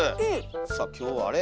さあ今日あれ？